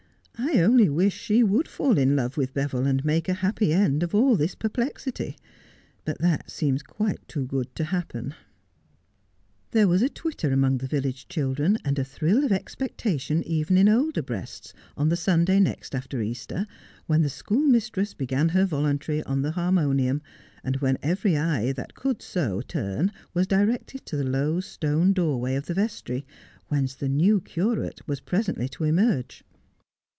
I only wish she would fall in love with Beville, and make a happy end of all this per plexity. But that seems quite too good to happen.' There was a twitter among the village children, and a thrill of expectation even in older breasts, on the Sunday next after Easter, when the schoolmistress began her voluntary on the harmonium, and when every eye that coiud so turn was directed to the low stone doorway of the vestry, whence the new curate was presently to emerge.